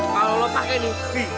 kalau lo pakai nih